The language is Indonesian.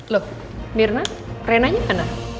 loh birna renanya